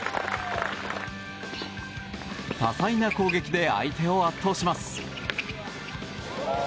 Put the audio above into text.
多彩な攻撃で相手を圧倒します。